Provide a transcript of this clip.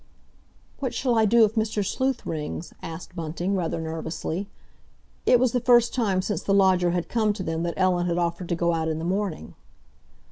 "What shall I do if Mr. Sleuth rings?" asked Bunting, rather nervously. It was the first time since the lodger had come to them that Ellen had offered to go out in the morning.